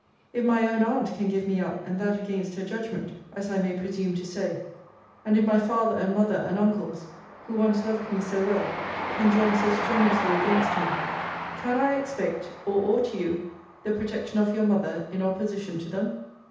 If my own aunt can give me up, and that against her judgment, as I may presume to say; and if my father and mother, and uncles, who once loved me so well, can join so strenuously against me; can I expect, or ought you, the protection of your mother, in opposition to them?